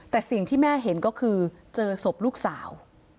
แต่สิ่งที่แม่เห็นก็คือเจอศพลูกสาว